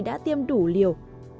đã tiêm đủ liều